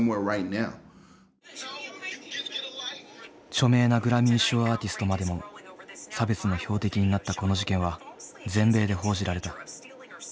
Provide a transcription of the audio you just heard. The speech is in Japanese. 著名なグラミー賞アーティストまでも差別の標的になったこの事件は全米で報じられた。